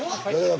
はい。